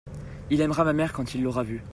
il aimera ma mère quand il l'aura vue.